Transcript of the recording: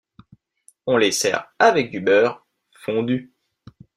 On les sert avec du beurre fondu.